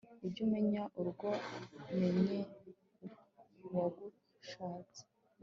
ujye umenya urugo, menye uwagushatse